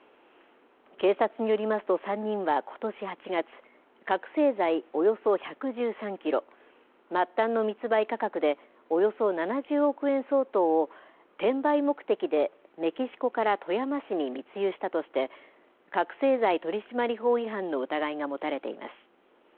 警察によりますと、３人はことし８月覚醒剤およそ１１３キロ末端の密売価格でおよそ７０億円相当を転売目的でメキシコから富山市に密輸したとして覚醒剤取締法違反の疑いが持たれています。